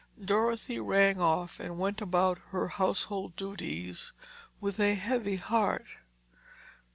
Dorothy rang off and went about her household duties with a heavy heart.